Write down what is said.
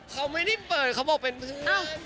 เขาไม่ได้เปิดเขาบอกเป็นเพื่อน